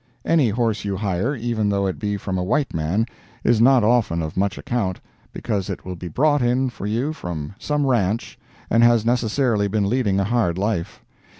Any horse you hire, even though it be from a white man, is not often of much account, because it will be brought in for you from some ranch, and has necessarily been leading a hard life.